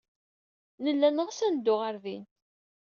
Nella neɣs ad neddu ɣer din.